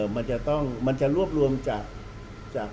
มันจะรวบรวมจาก